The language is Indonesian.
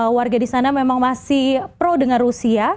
warga di sana memang masih pro dengan rusia